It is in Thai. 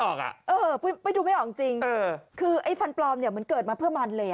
โอเคเบื่อมจากสดแล้วเนี่ย